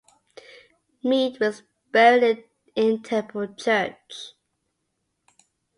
Mead was buried in Temple Church.